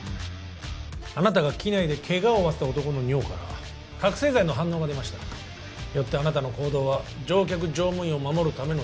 あなたが機内でケガを負わせた男の尿から覚せい剤の反応が出ましたよってあなたの行動は乗客乗務員を守るための